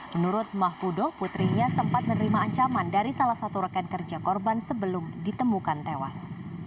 menurut mahfudo putrinya sempat menerima ancaman dari salah satu rekan kerja korban sebelum ditemukan tewas